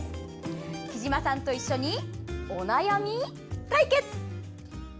きじまさんと一緒にお悩み解決！